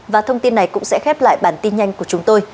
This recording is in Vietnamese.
và thông tin này cũng sẽ khép lại bản tin nhanh của chúng tôi